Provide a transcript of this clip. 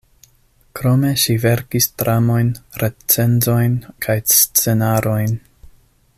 Krome ŝi verkis dramojn, recenzojn kaj scenarojn.